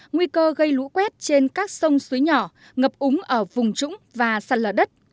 nguy cơ gây lũ quét trên các sông suối nhỏ ngập úng ở vùng trũng và sạt lở đất